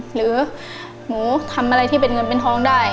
หรือหนูทำอะไรที่เป็นเงินเป็นทองได้